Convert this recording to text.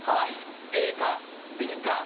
ＡかＢか。